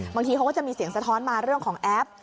บางทีเขาก็จะมีเสียงสะท้อนมาเรื่องของแอป